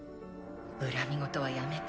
恨み言はやめて。